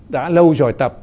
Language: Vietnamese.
đã lâu rồi tập